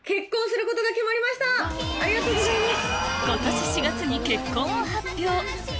ありがとうございます！